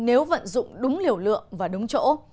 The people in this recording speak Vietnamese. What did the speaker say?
nếu vận dụng đúng liều lượng và đúng chỗ